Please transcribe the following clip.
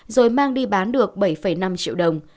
rồi mang đi bán được bảy năm triệu đồng